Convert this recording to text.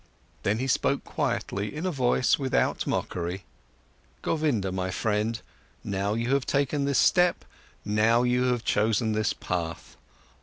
Then he spoke quietly, in a voice without mockery: "Govinda, my friend, now you have taken this step, now you have chosen this path.